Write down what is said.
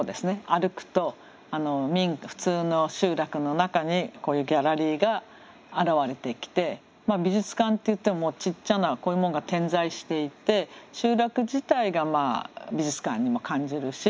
歩くと普通の集落の中にこういうギャラリーが現れてきて美術館っていってもちっちゃなこういうもんが点在していて集落自体が美術館にも感じるし。